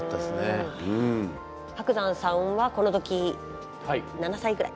伯山さんはこの時７歳ぐらい。